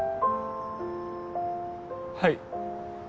はい。